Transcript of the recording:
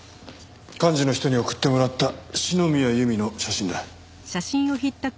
幹事の人に送ってもらった篠宮由美の写真だ。